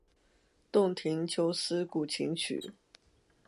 洞庭秋思古琴曲。